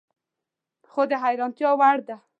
خو د حیرانتیا وړ ده